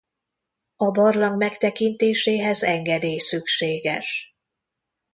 A barlang megtekintéséhez engedély szükséges.